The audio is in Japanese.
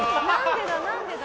何でだ？